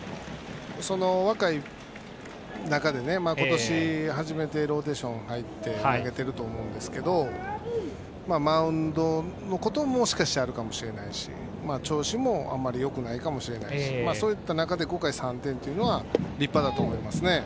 若い中でね、今年初めてローテーションに入って投げていると思うんですがマウンドのことももしかしたらあるかもしれないし調子も、あんまりよくないかもしれないしその中で今回３失点というのは立派だと思います。